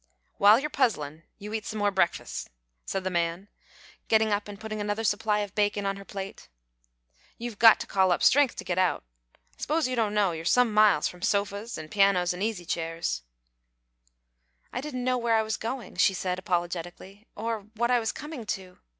"While you're puzzlin' you eat some more breakfus'," said the man, getting up and putting another supply of bacon on her plate. "You've got to call up strength to git out. I s'pose you dunno you're some miles from sofas, an' pianos, an' easy chairs." "I didn't know where I was goin'," she said, apologetically, "or what I was comin' to.